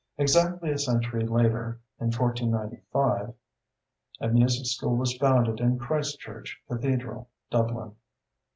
Exactly a century later, in 1495, a music school was founded in Christ Church Cathedral, Dublin.